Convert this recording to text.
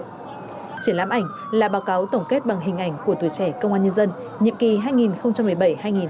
triển lãm ảnh là báo cáo tổng kết bằng hình ảnh của tuổi trẻ công an nhân dân